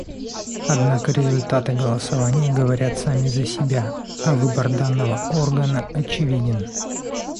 Однако результаты голосования говорят сами за себя, а выбор данного органа очевиден.